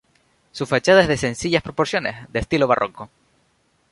Su fachada es de sencillas proporciones, de estilo barroco.